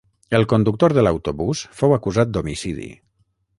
El conductor de l'autobús fou acusat d'homicidi.